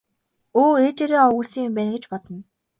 Өө ээжээрээ овоглосон юм байна гэж бодно.